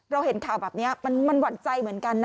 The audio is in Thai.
เราเห็นข่าวแบบนี้มันหวั่นใจเหมือนกันนะ